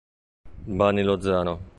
Bani Lozano